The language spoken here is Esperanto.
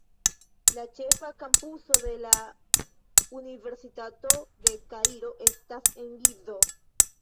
La ĉefa kampuso de la Universitato de Kairo estas en Gizo.